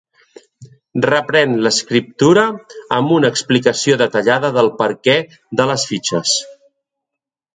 Reprèn l'escriptura amb una explicació detallada del perquè de les fitxes.